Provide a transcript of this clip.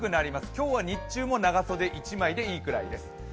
今日は日中も長袖１枚でいいくらいです。